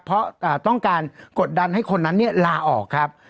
เพราะต้องการกดดันให้คนนั้นลาออกครับ